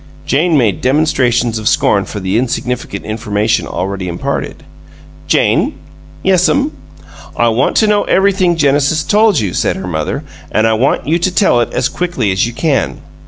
Jane made demonstrations of scorn for the insignificant information already imparted. "Jane!" "Yes'm?" "I want to know everything Genesis told you," said her mother, "and I want you to tell it as quickly as you can."